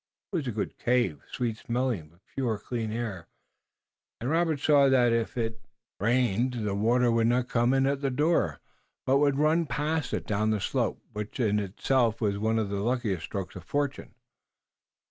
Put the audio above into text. It was a good cave, sweet smelling, with pure, clean air, and Robert saw that if it rained the water would not come in at the door, but would run past it down the slope, which in itself was one of the luckiest strokes of fortune.